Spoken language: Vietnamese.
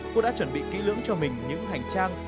cô đã chuẩn bị kỹ lưỡng cho mình những hành trang